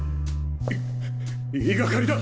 い言いがかりだ！